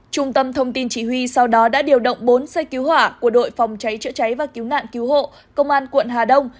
trung tâm thông tin chỉ huy sau đó đã điều động bốn xe cứu hỏa của đội phòng cháy chữa cháy và cứu nạn cứu hộ công an quận hà đông